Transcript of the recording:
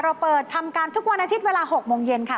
เปิดทำการทุกวันอาทิตย์เวลา๖โมงเย็นค่ะ